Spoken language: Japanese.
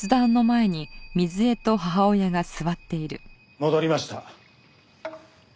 戻りました。